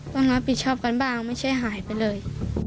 ต้องรับผิดชอบกันบ้างไม่ใช่หายไปเลย